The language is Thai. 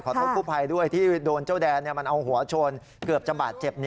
โทษกู้ภัยด้วยที่โดนเจ้าแดนมันเอาหัวชนเกือบจะบาดเจ็บ